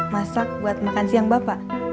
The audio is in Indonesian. masak buat makan siang bapak